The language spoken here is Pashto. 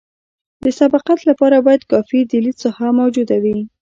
د سبقت لپاره باید کافي د لید ساحه موجوده وي